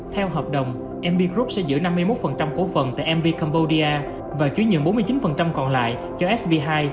theo hợp đồng mb group sẽ giữ năm mươi một cổ phần tại mb cambodia và chuyển nhượng bốn mươi chín còn lại cho sbi